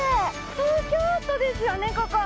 東京都ですよね、ここ。